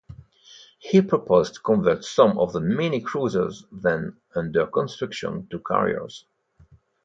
He proposed to convert some of the many cruisers then under construction to carriers.